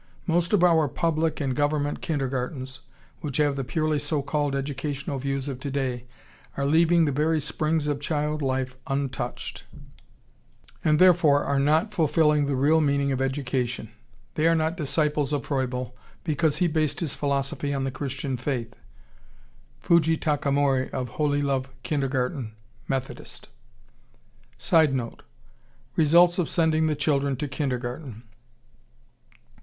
Most of our public and government kindergartens, which have the purely so called educational views of today, are leaving the very springs of child life untouched, and therefore are not fulfilling the real meaning of education. They are not disciples of Froebel, because he based his philosophy on the Christian faith. (Fuji Takamori of Holy Love Kindergarten, Methodist.) [Sidenote: Results of sending the children to kindergarten.